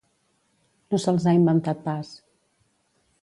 No se'ls ha inventat pas.